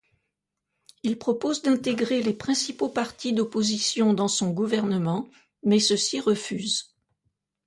Il propose d'intégrer les principaux partis d'opposition dans son gouvernement, mais ceux-ci refusent.